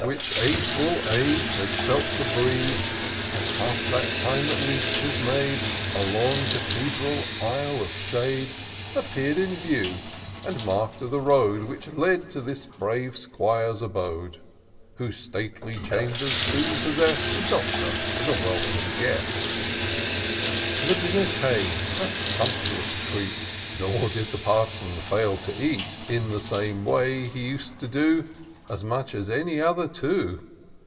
Which a fuU age had felt the breeze. And half that time, at least, had made A long cathedral aisle of shade, Appear'd in view, and mark'd the road Which led to this brave 'Squire's abode. Whose stately chambers soon possest The Doctor as a welcome guestr The dinner came — a sumptuous treat ; Nor did the Parson fail to eat 232 TOUR OP DOCTOR SYNTAX In the same way he us'd to do As much as any other two.